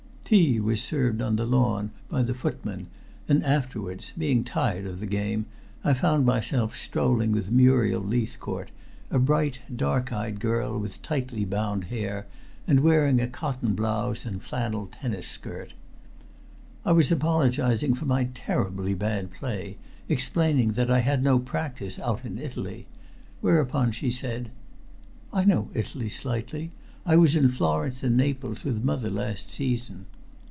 Tea was served on the lawn by the footmen, and afterwards, being tired of the game, I found myself strolling with Muriel Leithcourt, a bright, dark eyed girl with tightly bound hair, and wearing a cotton blouse and flannel tennis skirt. I was apologizing for my terribly bad play, explaining that I had no practice out in Italy, whereupon she said "I know Italy slightly. I was in Florence and Naples with mother last season."